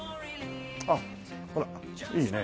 あっほらいいね